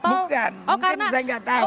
bukan mungkin saya nggak tahu